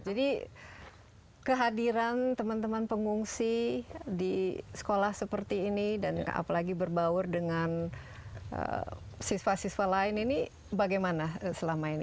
jadi kehadiran teman teman pengungsi di sekolah seperti ini dan apalagi berbaur dengan siswa siswa lain ini bagaimana selama ini